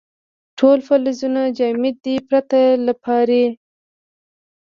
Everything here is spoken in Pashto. ټول فلزونه جامد دي پرته له پارې.